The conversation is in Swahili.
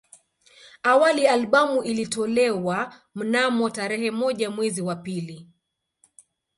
Awali albamu ilitolewa mnamo tarehe moja mwezi wa pili